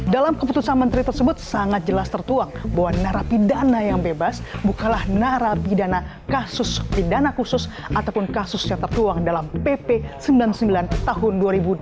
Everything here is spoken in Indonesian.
dalam keputusan menteri tersebut sangat jelas tertuang bahwa narapidana yang bebas bukanlah narapidana kasus pidana khusus ataupun kasus yang tertuang dalam pp sembilan puluh sembilan tahun dua ribu dua